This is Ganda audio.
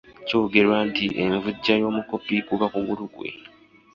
Kyogerwa nti envujja y’omukopi kuba kugulu kwe.